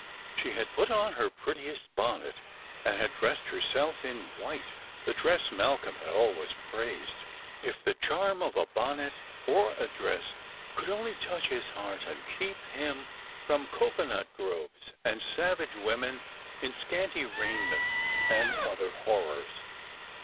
She had put on her prettiest bonnet, and had dressed herself in white; the dress Malcolm had always praised. If the charm of a bonnet or a dress could only touch 230 Stranger* and Fllgrims. his heart, and keep him from cocoa nut groves, and savage women in scanty raiment, and other horrors